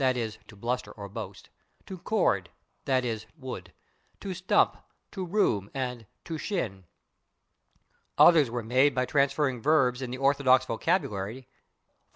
e./, to bluster or boast), /to cord/ (/i. e./, wood) /to stump/, /to room/ and /to shin/. Others were made by transforming verbs in the orthodox vocabulary, /e. g.